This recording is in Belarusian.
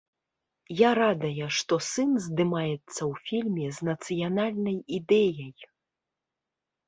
Я радая, што сын здымаецца ў фільме з нацыянальнай ідэяй.